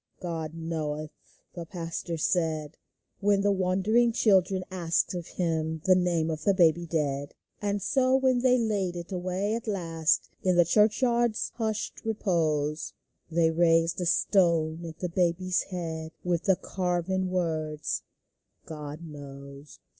" God knoweth," the pastor said, When the wondering children asked of him The name of the baby dead. And so, when they laid it away at last In the church yard's hushed repose, They raised a stone at the baby's head, With the carven words, " God knows."